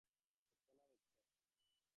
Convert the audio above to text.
সত্য না মিথ্যা?